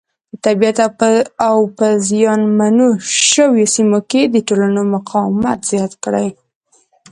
د طبیعیت او په زیان منو شویو سیمو کې د ټولنو مقاومت زیات کړي.